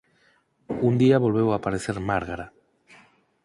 Un día volveu aparecer Márgara.